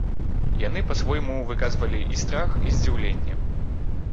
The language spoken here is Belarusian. Яны па-свойму выказвалі і страх, і здзіўленне.